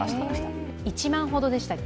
あるのは１万ほどでしたっけ？